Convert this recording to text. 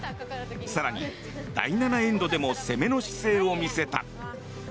更に第７エンドでも攻めの姿勢を見せた。